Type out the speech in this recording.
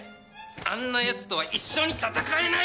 あんなやつとは一緒に戦えない！